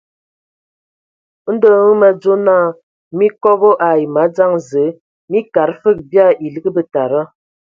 Ndɔ hm me adzo naa mii kobo ai madzaŋ Zǝə, mii kad fǝg bia elig betada.